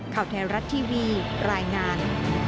แนวรัดทีวีรายงาน